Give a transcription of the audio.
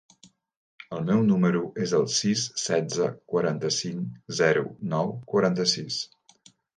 El meu número es el sis, setze, quaranta-cinc, zero, nou, quaranta-sis.